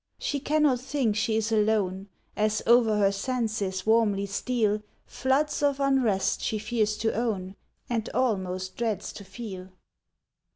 She cannot think she is alone, As over her senses warmly steal Floods of unrest she fears to own And almost dreads to feel.